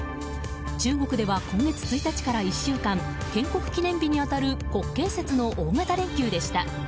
中国では今月１日から１週間建国記念日に当たる国慶節の大型連休でした。